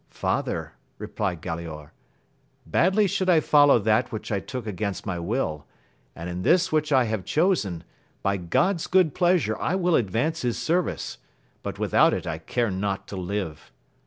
Father, replied Galaor, badly should I follow that which I took against my will ; and in this which I have chosen, by God's good pleasure I will advance his service ; but without it I care not to live.